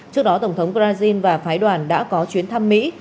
trước đó tổng thống brazil và phái đoàn đã có chuyến thăm mỹ